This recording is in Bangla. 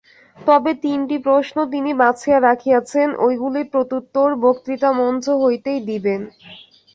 তবে তিনটি প্রশ্ন তিনি বাছিয়া রাখিয়াছেন, ঐগুলির প্রত্যুত্তর বক্তৃতামঞ্চ হইতেই দিবেন।